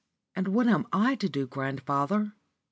"And what am I to do, grandfather?"